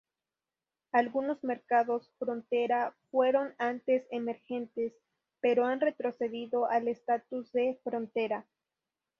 Algunos mercados frontera fueron antes emergentes, pero han retrocedido al estatus de frontera.